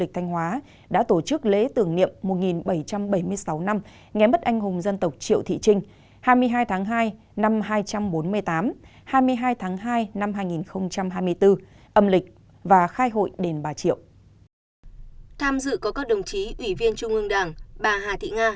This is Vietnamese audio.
tham dự có các đồng chí ủy viên trung ương đảng bà hà thị nga